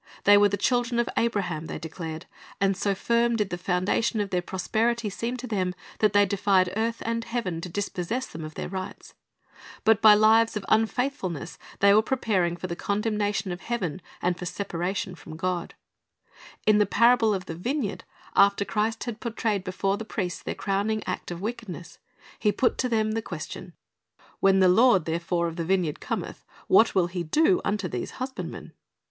They were the children of Abraham, they declared, and so firm did the foundation of their prosperity seem to them that they defied earth and heaven to dispossess them of their rights. But by lives of unfaith fulness they were preparing for the condemnation of heaven and for separation from God. In the parable of the vineyard, after Christ had portrayed ' Luke 23 : i8 ; Matt. 27 : 22 ; John 19 : 15 ; Matt. 27 : 24, 25 Th e Lord's Vi n ey ard 295 before the priests their crowning act of wickedness, He put to them the question, "When the Lord therefore of the vineyard cometh, what will he do unto those husbandmen?"